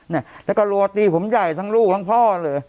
เนี่ยแล้วก็รัวตีผมใหญ่ทั้งลูกทั้งพ่อเลย